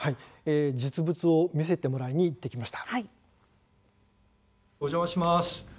実物を見せてもらいにいきました。